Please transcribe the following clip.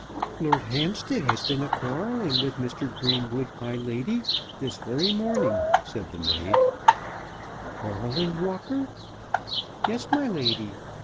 "Lord Hampstead has been a' quarrelling with Mr. Greenwood, my lady, this very morning," said the maid. "Quarrelling, Walker?" "Yes, my lady.